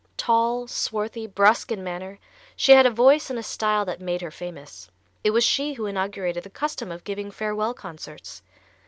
Tall, swarthy, brusque in manner, she had a voice and a style that made her famous. It was she who inaugurated the custom of giving farewell concerts.